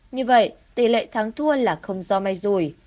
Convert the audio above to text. như vậy tỷ lệ thắng thua là không do may rủi